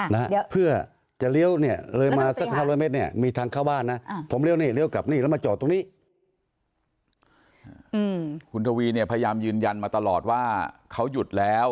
คุณทวีพยายามยืนยันมันตลอดว่าเขาหยุดแล้ว